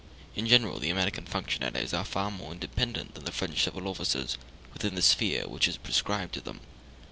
In general the American functionaries are far more independent than the French civil officers within the sphere which is prescribed to them.